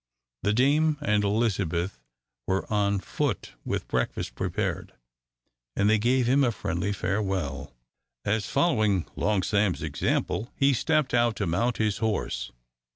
The dame and Elizabeth were on foot with breakfast prepared, and they gave him a friendly farewell, as, following Long Sam's example, he stepped out to mount his horse.